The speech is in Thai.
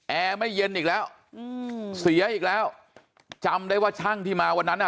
แอร์ไม่เย็นอีกแล้วอืมเสียอีกแล้วจำได้ว่าช่างที่มาวันนั้นอ่ะ